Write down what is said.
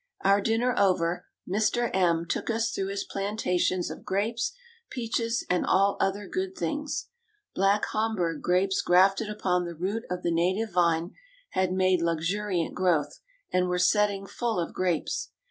Our dinner over, Mr. M took us through his plantations of grapes, peaches, and all other good things. Black Hamburg grapes grafted upon the root of the native vine had made luxuriant growth, and were setting full of grapes.